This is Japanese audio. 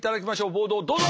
ボードをどうぞ！